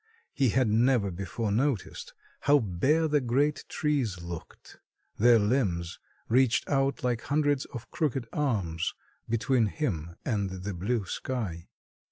He had never before noticed how bare the great trees looked. Their limbs reached out like hundreds of crooked arms between him and the blue sky.